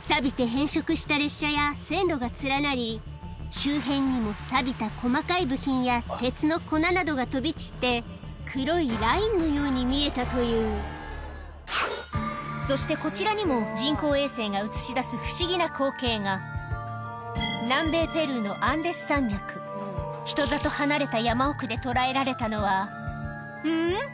さびて変色した列車や線路が連なり周辺にもさびた細かい部品や鉄の粉などが飛び散って黒いラインのように見えたというそしてこちらにも人工衛星が映し出す不思議な光景が人里離れた山奥で捉えられたのはん？